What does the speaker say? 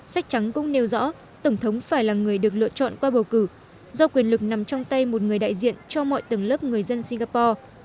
sách trắng cũng nêu rõ tổng thống phải là người được lựa chọn qua bầu cử do quyền lực nằm trong tay một người đại diện cho mọi tầng lớp người dân singapore